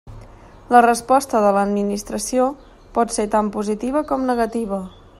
La resposta de l'administració pot ser tant positiva com negativa.